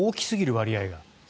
割合が。